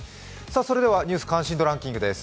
それでは、ニュース関心度ランキングです。